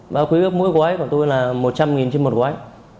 và quy ước mỗi quấy của tôi là một trăm linh trên một quấy